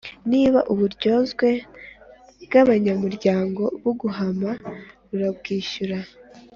Niba uburyozwe bw’abanyamuryango buguhama urabwishyura